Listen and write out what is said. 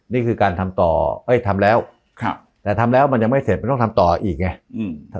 นี่คือการทำต่อเอ้ยทำแล้วแต่ทำแล้วมันยังไม่เสร็จมันต้องทำต่ออีกไง